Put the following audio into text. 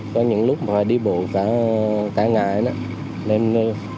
có những lúc mà phải đi bộ cả ngày